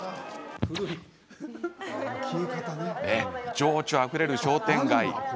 情緒あふれる商店街。